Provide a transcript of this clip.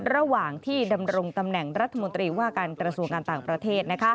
ระหว่างที่ดำรงตำแหน่งรัฐมนตรีว่าการกระทรวงการต่างประเทศ